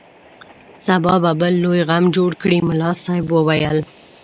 سبا به بل لوی غم جوړ کړي ملا صاحب وویل.